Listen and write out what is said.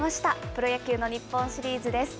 プロ野球の日本シリーズです。